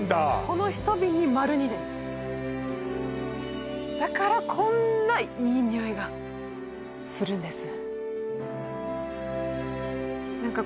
この１瓶に丸２年ですだからこんないい匂いがするんです